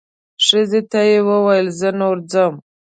ښځې ته یې وویل زه نو ځم.